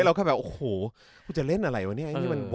เราแค่แบบโอ้โหกูจะเล่นอะไรวะเนี่ย